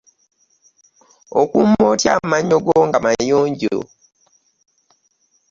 Okuuma otya amannyo go nga mayonjo?